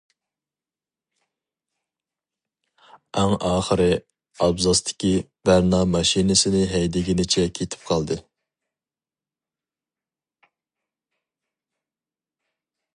ئەڭ ئاخىرقى ئابزاستىكى: بەرنا ماشىنىسىنى ھەيدىگىنىچە كېتىپ قالدى.